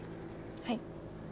はい。